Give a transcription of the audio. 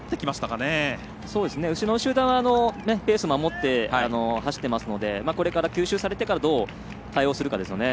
後ろの集団はペースを守って走っていますので吸収されてからどう対応するかですね。